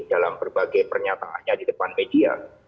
dalam berbagai pernyataannya di depan media